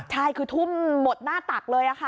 ใช่คือทุ่มหมดหน้าตักเลยค่ะ